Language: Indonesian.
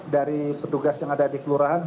dari petugas yang ada di kelurahan